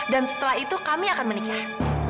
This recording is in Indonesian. dan setelah itu kami akan menikah